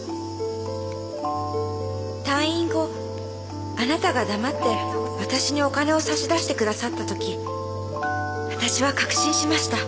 「退院後あなたが黙ってわたしにお金を差し出してくださったときわたしは確信しました。